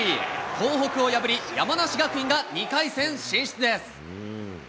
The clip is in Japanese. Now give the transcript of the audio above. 東北を破り、山梨学院が２回戦進出です。